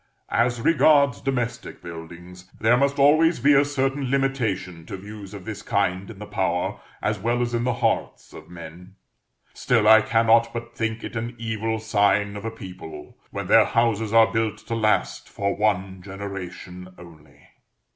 As regards domestic buildings, there must always be a certain limitation to views of this kind in the power, as well as in the hearts, of men; still I cannot but think it an evil sign of a people when their houses are built to last for one generation only.